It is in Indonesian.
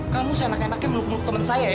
kamu senak enaknya meluk meluk temen saya ya